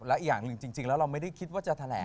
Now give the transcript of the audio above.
และอีกอย่างหนึ่งจริงแล้วเราไม่ได้คิดว่าจะแถลง